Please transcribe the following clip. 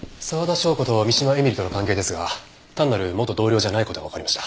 紹子と三島絵美里との関係ですが単なる元同僚じゃない事がわかりました。